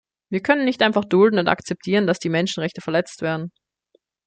Wir können einfach nicht dulden und akzeptieren, dass die Menschenrechte verletzt werden.